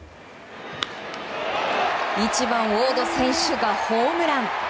１番、ウォード選手がホームラン！